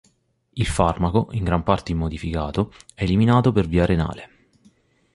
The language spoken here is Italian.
Il farmaco, in gran parte immodificato, è eliminato per via renale.